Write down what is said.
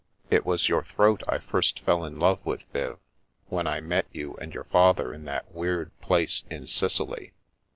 ... It was your throat I first fell in love with, Viv, when I met you and your father in that weird place in Sicily."